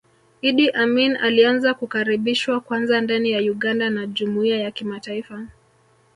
Idi Amin alianza kukaribishwa kwanza ndani ya Uganda na jumuiya ya kimataifa